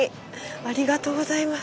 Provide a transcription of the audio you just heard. ありがとうございます。